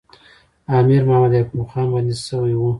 امیر محمد یعقوب خان بندي سوی وو.